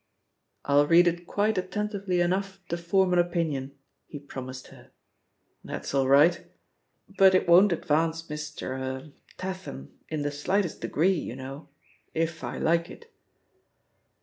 " "I'll read it quite attentively enough to form an opinion," he promised her. That's aU right. But it won't advance Mr. — er — Tatham in the slightest degree, you know, if I like it."